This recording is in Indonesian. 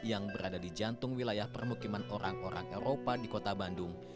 yang berada di jantung wilayah permukiman orang orang eropa di kota bandung